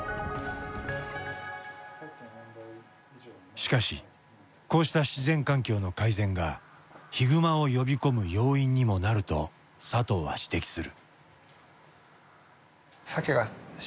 しかしこうした自然環境の改善がヒグマを呼び込む要因にもなると佐藤は指摘する。